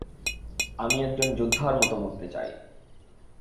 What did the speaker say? আমি একজন যোদ্ধার মতো মরতে চাই।